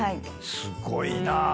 すごいな。